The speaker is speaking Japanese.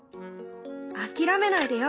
諦めないでよ！